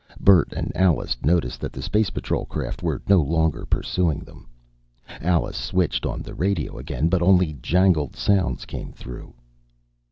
Bert and Alice noticed that the Space Patrol craft were no longer pursuing them. Alice switched on the radio again but only jangled sounds came through.